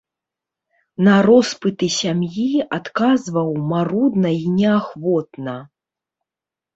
На роспыты сям'і адказваў марудна і неахвотна.